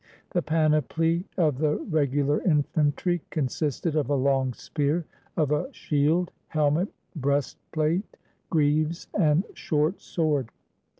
The panoply of the regu lar infantry consisted of a long spear, of a shield, helmet, breast plate, greaves, and short sword.